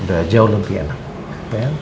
udah jauh lebih enak